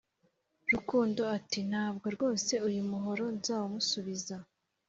Rukundo ati Ntabwo rwose uyu muhoro nzawumusubiza